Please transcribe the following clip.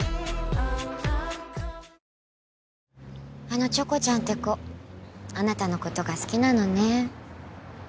あのチョコちゃんって子あなたのことが好きなのね。